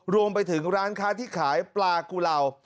รวมไปถึงร้านค้าที่ขายปลากุเหล่า